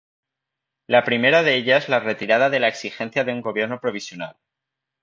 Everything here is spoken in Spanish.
La primera de ellas la retirada de la exigencia de un Gobierno Provisional.